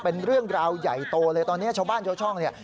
เป็นเรื่องราวใหญ่โตเลยตอนนี้ชาวบ้านชาวช่องเนี่ย